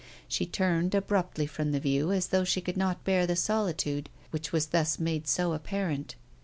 She turned abruptly from the view as though she could not bear the solitude which was thus made so apparent.